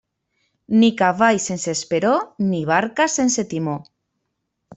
Ni cavall sense esperó ni barca sense timó.